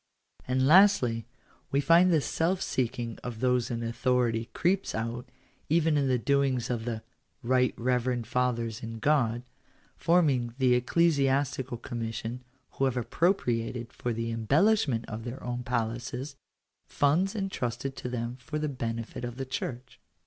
And lastly, we find this self seeking of those in authority creeps out, even in the doings of the " Bight Reverend Fathers in God" forming the Ecclesiastical Commission, who have ap propriated, for the embellishment of their own palaces, funds entrusted to them for the benefit of the Church.